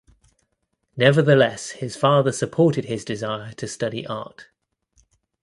Nevertheless his father supported his desire to study art.